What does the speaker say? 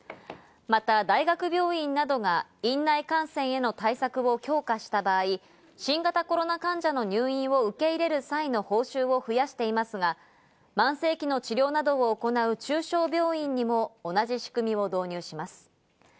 また、大学病院などが院内感染への対策を強化した場合、新型コロナ患者の入院を受け入れる際の報酬を増やしていますが、慢性期の治療などを行う中小病院にも同じ仕組みを導入します。